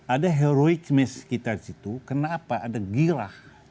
ada heroismis di situ kenapa ada gila